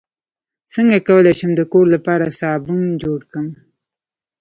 څنګه کولی شم د کور لپاره صابن جوړ کړم